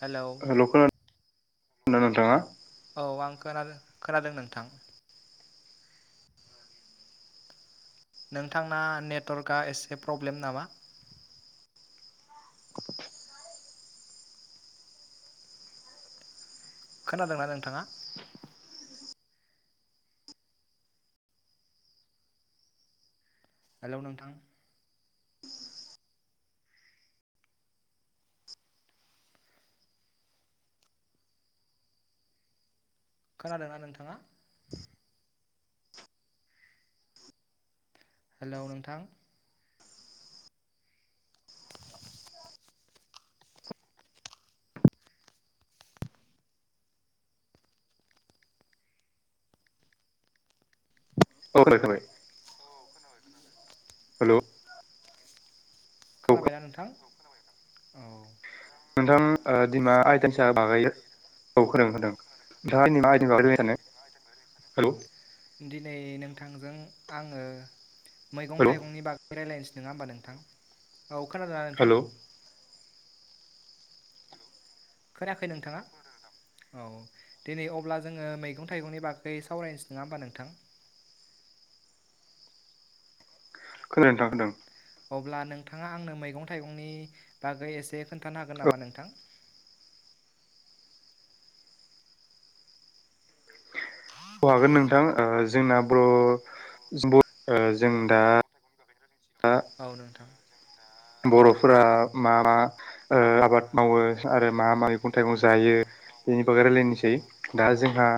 Hello hello खोना [unintelligible] नोंथाङा। औ आं खोनादों खोनादों नोंथां। नोंथांना नेटवर्कआ एसे प्रब्लेम नामा। खोनादोंना नोंथाङा। हेलौ नोंथां। खोनादोंना नोंथाङा। हेलौ नोंथां। औ [unintelligible] खोनाबाय। हेलौ। खोनाबायना औ खोनाबाय नोंथां औ। नोंथां। ओ दिमा [unintelligible] हेलौ। दिनै नोंथांजों आङो मैगं हेलौ थाइगंनि बागै रायलायनोसै नङा होमबा नोंथां। औ खोनादों ना नोंथां। हेलौ खोनायाखै नोंथाङा। औ दिनै अब्ला जोङो मैगं थाइगंनि बागै सावरायनोसै नोंङा होमबा नोंथां। खोनायो नोंथां होदों। अब्ला नोंथाङा आंनो मैगं थाइगंनि बागै एसे खोन्थानो हागोन नामा नोंथां [inaudible] अ हागोन नोंथां जोंना बर' ब- औ नोंथां र'फोरा मा मा आबाद मावो आरो मा मा मैगं थाइगं जायो बेनि बगै रायलायनोसै दा जोंहा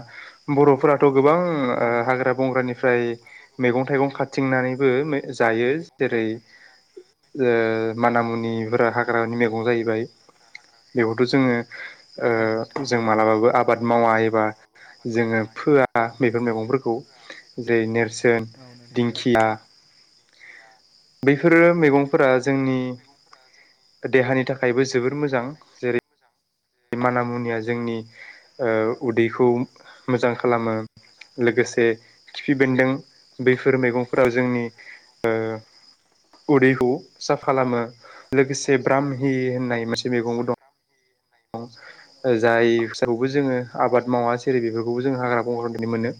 बर'फोराथ' गोबां औ नोंथां हाग्रा बंग्रानिफ्राय मैगं थाइगं खा- थिंनानैबो जायो जेरै [unintelligible] माना मुनिफोरा हाग्रानि मैगं जाहैबाय बेखौथ' औ नोंथां जोङो जों मालाबाबो आबाद मावा एबा जोङो फोआ बेफोर मैगंफोरखौ जेरै नेरसोन दिंखिया दिंखिया बेैफोरो मैगंफोरा जोंनि देहानि थाखायबो जोबोर मोजां जेरै बे माना मुनिया जोंनि उदैखौ मोजां खालामो लोगोसे खिफि बेन्दों बैफोर मैगंफोराव जोंनि उदैखौ साफा खालामो लोगोसे ब्राम्हि होननाय मोनसे मैगंबो दं जायखौबो जोङो आबाद मावा जेरै बेफोरखौबो जों हाग्रा बंग्रानिफ्राय मोनो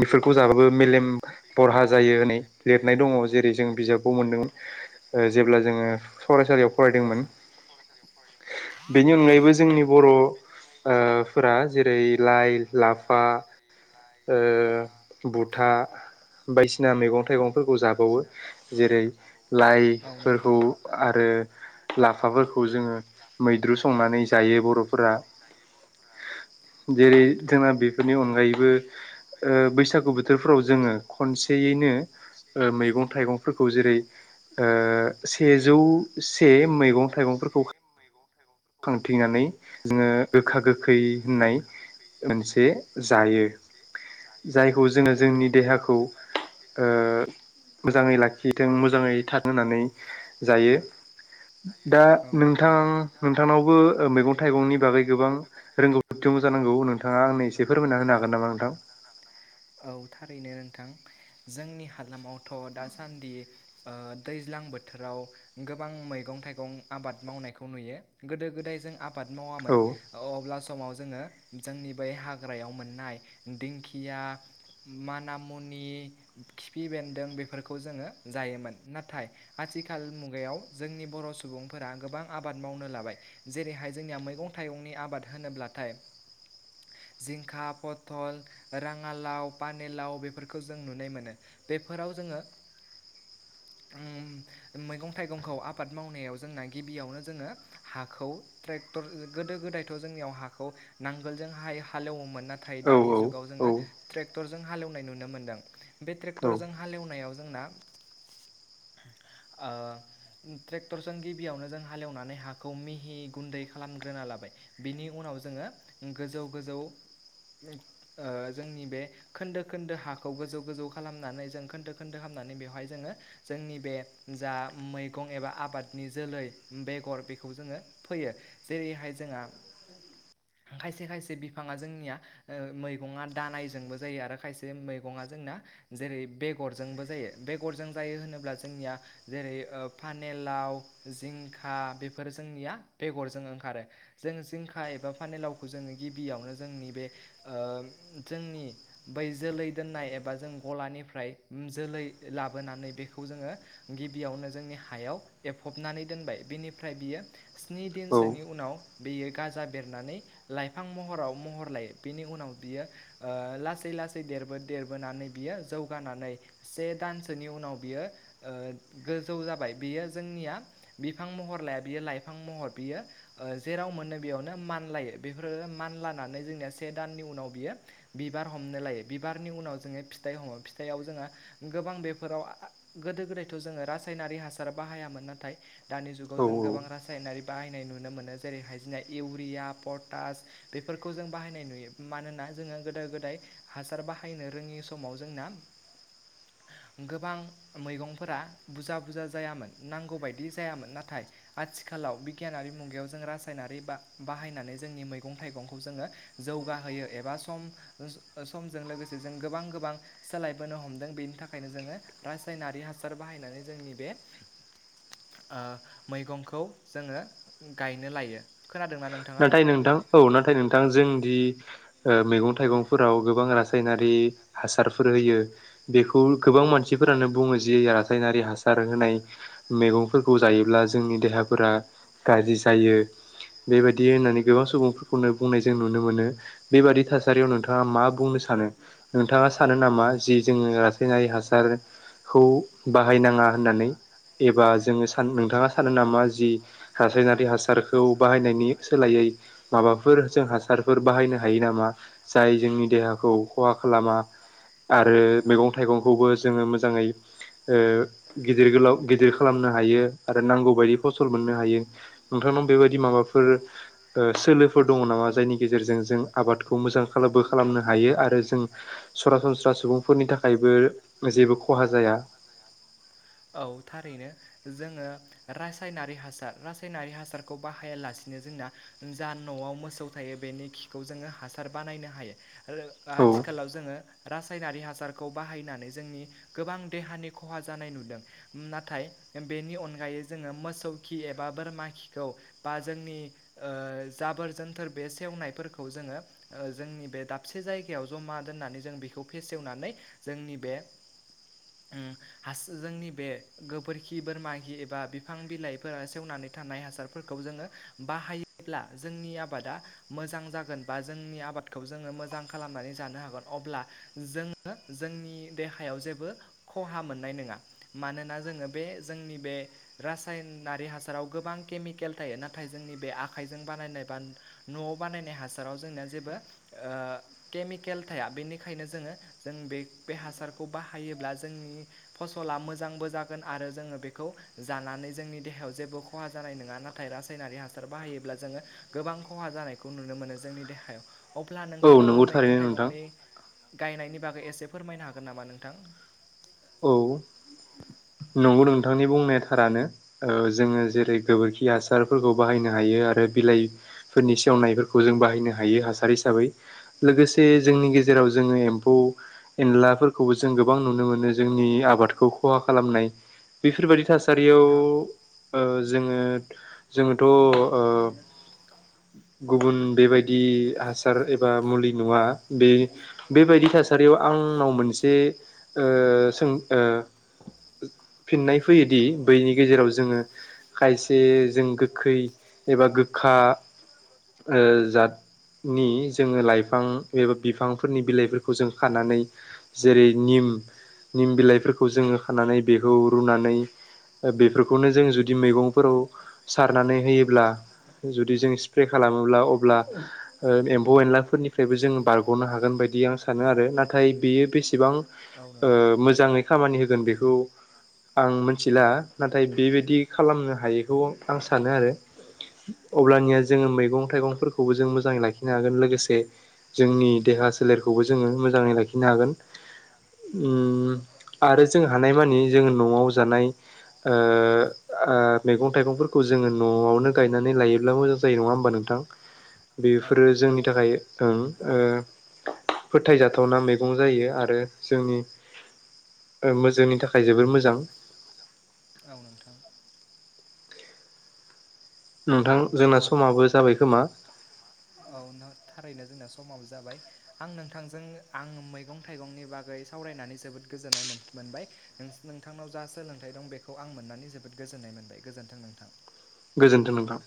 बेफोरखौ जाबाबो मेलेम बरहा जायो होनै लिरनाय दङ जेरै जों बिजाबव मोनदोंमोन जेब्ला जोङो फरायसा- लियाव फरायदोंमोन बेनि अनगायैबो जोंनि बर' फोरा जेरै लाइ लाफा बुथा बायदिसिना मैगं थाइगंफोरखौ जाबावो जेरै औ नोंथां लाइफोरखौ आरो लाफाफोरखौ जोङो मैद्रु संनानै जायो बर'फोरा फोरा जेरै जोंना बेफोरनि अनगायैबो ओ बैसागु बोथोरफ्राव जोङो खनसेयैनो ओ मैगं थाइगंफोरखौ जेरै ओ सेजौ से मैगं थाइगंफोरखौ खांथिंनानै जोङो गोखा गोखै होननाय मोनसे जायो जायखौ जोङो औ जोंनि नोंथां देहाखौ ओ ओ मोजाङै लाखिथों मोजाङै थाथों होननानै जायो। दा नोंथां नोंथांनावबो मैगं थाइगंनि बागै गोबां रोंगौथि [unintelligible] जानांगौ नोंथाङा आंनो एसे फोरमायना होनो हागोन नामा नोंथां? औ थारैनो। थां जोंनि हालामावथ' दासान्दि ओ दैज्लां बोथोराव गोब बां मैगं थाइगं आबाद मावनायखौ नुयो गोदो गोदाय जों आबाद मावामोन। औ बा समाव जोङो जोंनि बै हाग्रायाव मोननाय दिंखिया माना मुनि खिफि बेन्दों बेफोरखौ जोङो जायोमोन नाथाय आ थिखाल मुगायाव जोंनि बर' सुबुंफोरा गोबां आबाद मावनो लाबाय जेरैहाय जोंनिया मैगं थाइगंनि आ बाद होनोब्लाथाय जिंखा पथल राङालाव पानिलाव बेफोरखौ जों नुनाय मोनो। बेफोराव जोङो उम मैगं थाइगंखौ आबाद मावनायाव जोंना गिबियावनो जोङो हाखौ ट्रेक क्टर गोदो गोदाय थ' जोंनियाव हाखौ नांगोलजों हाय हालेवोमोन नाथाय औ दानि जुगाव जोङो ट्रेक क्टरजों हालेवनाय नुनो मोनदों बे औ ट्रेक्टरजों हालेवनायाव जोंना [inaudible] ओ ट्रेक्टरजों गिबियावनो जों हालेवनानै हाखौ मिहि गुन्दै खालामग्रोना लाबाय बिनि उनाव जोङो गोजौ गोजौ ओ जोंनि बे खोन्दो खोन्दो हाखौ गोजौ गोजौ खालामनानै जों खोन्दो खोन्दो खाम नानै बेवहाय जोङो जोंनि बे जा मैगं एबा आबादनि जोलै बेगर बि खौ जोङो फोयो जेरैहाय जोंहा खायसे खायसे बिफाङा जोंनिया ओ मैगङा दानायजोंबो जायो आरो खायसे मैगङा जों ना जेरै बेगरजोंबो जायो बेगरजों जायो होनोबा जोंनिया जेरै ओ पानेल लाव, जिंखा बेफोर जोंनिया बेगरजों ओंखारो। जों जिंखा एबा फानेलावखौ जोङो गिबियावनो जोंनि बे ओ जोंनि बै जोलै दोननाय एबा जों गलानिफ्राय उम जोलै लाबोनानै बेखौ जोङो गिबि यावनो जोंनि हायाव एफबनानै दोनबाय बिनिफ्राय बियो स्नि औ दिनसोनि उनाव बेयो गाजा बेरनानै लाइफां महराव महर लायो बेनि उनाव बियो ओ लासै लासै देरबो देरबोनानै बियो जौगानानै से दानसोनि उनाव बियो ओ गोजौ जाबाय बियो जोंनिया बिफां महर लाया बियो लाइफां महर बियो ओ जेेराव मोनो बेयावनो मानलायो बेफोरो मानलानानै जोंनिया से दाननि उनाव बियो बिबार हम नो लायो बिबारनि उनाव जोङो फिथाइ हमो फिथाइयाव जोङो गोबां बेफोराव गोदो गोदायथ' जोङो रासायनारि हासार बाहायामोन नाथाय दानि जुगाव औ जों गोबां रासायनारि बाहायनाय नुनो मोनो जों जेरैहाय जोंना इउरिया, पटास बेफोरखौ जों बाहायनाय नुयो मानोना जोङो गोदो गोदाय हासार बाहायनो रोङि समाव जोंना गोबां मैगंफोरा बुरजा बुरजा जायामोन नांगौ बायदि जायामोन नाथाय आथिखालाव बिगियानारि मुगायाव जों रा सायनारि बा-बाहायनानै जोंनि मैगं थाइगंखौ जौगाहोयो एबा सम समजों लोगोसे जों गोबां गोबां सोलायबोनो हमदों बेनि थाखायनो जोङो रासायनारि हासार बाहायना नानै जोंनि बे ओ मैगंखौ जोङो गाय नो लायो। नाथाय नोंथां औ नाथाय नोंथां जोंदि ओ मैगं थाइगंफोराव गोबां रासायनारि हासारफोर होयो बेखौ गोबां मानसि फोरानो बुङो जि रासायनारि हासार होनाय मैगंफोरखौ जायोब्ला जोंनि देहाफोरा गाज्रि जायो। बेबायदि होननानै गोबां सुबुंफोरखौनो बुंनाय जों नुनो मोनो। बेबादि थासारियाव नोंथाङा मा बुंनो सानो? नोंथाङा सानो नामा जि जोङो रासायनारि हासारखौ बाहायनाङा होनना नै एबा जोङो नोंथाङा सानो नामा जि रासायनारि हासारखौ बाहायनायनि सोलायै माबाफोर जों हासारफोर बाहायनो हायो नामा जाय जोंनि देहा खौ खहा खालामा आरो मैगं थाइगंखौबो जोङो मोजाङै ओ गिदिर गोलाव गिदिर खालामनो हायो आरो नांगौ बायदि फसल मोननो हायो नोंथांनाव बेबाय दि माबाफोर ओ सोलोफोर दङ' नामा जायनि गेजेरजों जों आबादखौ मोजांबो खालामनो हा हायो आरो जों सरासनस्रा सुबुंफोरनि थाखायबो जेबो खहा जाया। औ थारैनो जोङो रासायनारि हासार रासायनारि हासारखौ बाहायालासेनो जोंना जा न'आव मोसौ था यो बेनि खिखौ जोङो हासार बानायनो हायो। रो औ आथिखालाव जोङो रासायनारि हासार खौ बाहायनानै जोंनि गोबां देहानि खहा जानाय नुदों। नाथाय बेनि अनगा यै जोङो मोसौ खि एबा बोरमा खिखौ बा जोंनि ओ जाबोर जोनथोर बे सेवनायफोरखौ जोङो ओ जोंनि बे दाबसे जायगायाव जमा दोननानै जों बेखौ फेसेवनानै जोंनि बे उम हास जोंनि बे गोबोरखि बोरमाखि ए बा बिफां बिलाइफोरा सेवनानै थानाय हासारफोरखौ जोङो बाहायोब्ला जोंनि आबादा मोजां जागोन बा जोंनि आबादखौ जोङो मोजां खालामनानै जानो हागोन। अब्ला जोङो जोंनि देहायाव जेबो खहा मोननाय नोङा। मानोना जोङो बे जोंनि बे रासायनारि हासाराव गोबां केमिकेल थायो नाथाय जोंनि बे आखाइजों बानायनाय बा न' न बानायनाय हासाराव जोंना जेबो ओ केमिकेल थाया। बेनिखायनो जोङो जों बे बे हासारखौ बाहायोब्ला जोंनि फसला मोजांबो जागोन आरो जोङो बेखौ जानानै जोंनि देहायाव जेबो खहा जानाय नोङा नाथाय रासायनारि हासार बाहायोब्ला जोङो गोबां खहा जा जानायखौ नुनो मोनो जोंनि देहायाव। अब्ला औ नोंथाङाबो नंगौ मैगं थारैनो नोंथां थाइगंनि गायनायनि बागै एसे फोरमायनो हागोन नामा नोंथां? औ नंगौ नोंथांनि बुंनाय थारानो। ओ जोङो जेरै गोबोरखि हासारफोरखौ बाहायनो हायो आरो बिलाइफोरनि सेवनायफोरखौ जों बाहायनो हायो हासार हिसाबै। लोगोसे जोंनि गेजेराव जोङो एम्फौ एनलाफोरखौबो जों गोबां नुनो मोनो जोंनि आबादखौ खहा खालामनाय बेफोरबायदि थासारियाव नोंथां? ओ जोङो जोङोथ' ओ औ। गुबुन बेबायदि हासार एबा मुलि नङा बे बेबायदि थास सारियाव आंनाव मोनसे ओ सों ओ [inaudible] फिननाय फैयोदि बैनि गेजेराव जोङो खायसे जों गोखै एबा गो खा ओ जातनि जोङो लाइफां एबा बिफांफोरनि बिलाइफोरखौ जों खानानै जेरै निम निम बिलाइफोरखौ जोङो खानानै बेखौ रुनानै बेफोरखौनो जों जुदि मैगंफोराव सारनानै होयो ब्ला जुदि जों स्प्रे खालामोब्ला अब्ला ओ एम्फौ एनलाफोरनिफ्रायबो जों बारग' गनो हागोन बायदि आं सानो आरो। नाथाय बेयो बेसेबां औ ओ नोंथां मोजाङै खामानि होगोन बेखौ खौ आं मिथिला नाथाय बेबायदि खालामनो हायोखौ आं सानो आरो। अब्लानिया जोङो मैगं थाइगंफोरखौबो जों मोजाङै लाखिनो हागोन लोगोसे जोंनि देहा सोलेरखौबो जोङो मोजाङै लाखिनो हागोन। उम आरो जों नाय मानि जों न'आव जानाय ओ ओ मेगं थाइगंफोरखौ जोङो न'आव नो गायनानै लायोब्ला मोजां जायो नङा होमबा नोंथां? औ बेफोरो नोंथां जोंनि थाखाय ओं ओ फोथायजाथावना मैगं जायो आरो जोंनि ओ मोजां जोंनि थाखाय ओ जोबोर जोंनि थाखाय जोबोद मोजां औ नोंथां। नोंथां जोंना समाबो जाबाय खोमा? औ नो थारैनो जोंना समाबो जाबाय आं नोंथांजों आं मैगं थाइगंनि बागै सावरायनानै जोबोद गोजोन्नाय मोन-मोनबाय नोंथांनाव जा सोलोंथाइ दं बेखौ आं मोननानै जोबोद गोजोननाय मोनबाय गोजोन्थों नों थां। गोजोनथों नोंथां।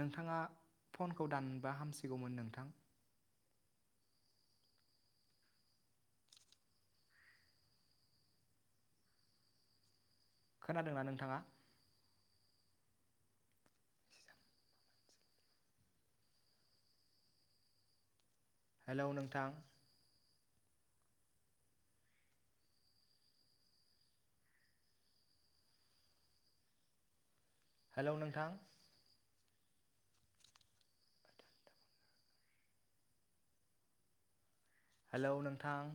नोंथाङा फनखौ दानबा हामसिगौमोन नोंथां। खोनादोंना नोंथाङा? हेल' नोंथां। हेल' नोंथां। हेलौ नोंथां।